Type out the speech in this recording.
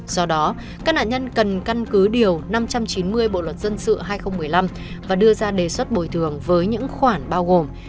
do đó các nạn nhân cần căn cứ điều năm trăm chín mươi bộ luật dân sự hai nghìn một mươi năm và đưa ra đề xuất bồi thường với những khoản bao gồm